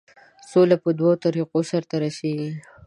سوله په دوو طریقو سرته رسیږي.